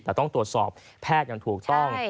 แต่ต้องตรวจสอบแพทย์อย่างถูกต้อง